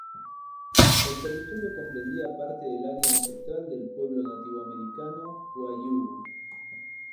El territorio comprendía parte del área ancestral del pueblo nativo-americano wayúu.